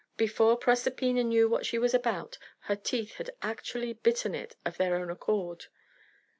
Before Proserpina knew what she was about, her teeth had actually bitten it, of their own accord.